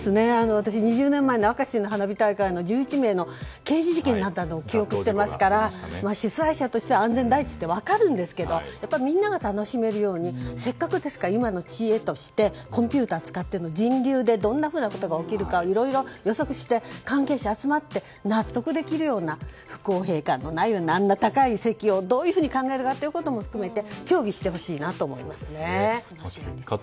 私２０年前の明石の花火大会の１１名の刑事事件の記憶がありますから主催者としては安全第一って分かるんですけどみんなが楽しめるようにせっかくですから今の知恵としてコンピューターを使って人流でどんなことが起きるか予測して関係者が集まって納得できるような不公平感のないように高い席をどういうふうに考えるかも含めて協議してほしいなと思います。